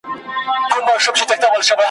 خو چي زه مي د مرګي غېږي ته تللم `